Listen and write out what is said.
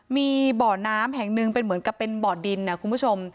มีบ่อน้ำแห่งหนึ่งเป็นเหมือนกับเป็นบ่อดินนะคุณผู้ชม